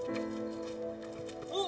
おっ！